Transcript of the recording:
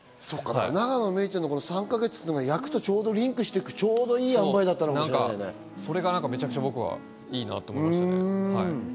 永野芽郁ちゃんの３か月っていうのは役とちょうどリンクしていく、いい塩梅だったのかもしれそれが僕はめちゃくちゃいいなと思いましたね。